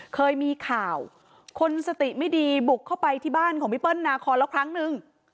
เคยมีข่าวคนสติไม่ดีบุกเข้าไปที่บ้านของพี่เปิ้ลนาคอนแล้วครั้งนึง